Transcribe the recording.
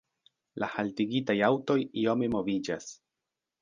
La haltigitaj aŭtoj iome moviĝas.